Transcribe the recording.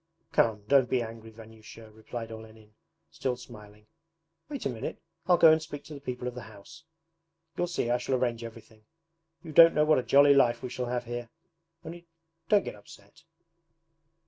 'Come, don't be angry, Vanyusha,' replied Olenin, still smiling. 'Wait a minute, I'll go and speak to the people of the house; you'll see I shall arrange everything. You don't know what a jolly life we shall have here. Only don't get upset.'